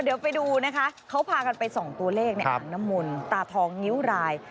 เดี๋ยวไปดูนะคะเขาพากันไปส่องตัวเลขในอ่างน้ำมนตาทองงิ้วราย